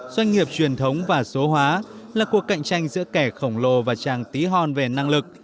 doanh nghiệp truyền thống và số hóa là cuộc cạnh tranh giữa kẻ khổng lồ và chàng tí hòn về năng lực